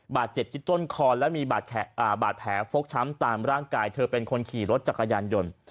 บาดเจ็บที่ต้นคอและมีบาดแผลฟกช้ำตามร่างกายเธอเป็นคนขี่รถจักรยานยนต์